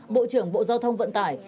bộ trưởng bộ giao thông vận tải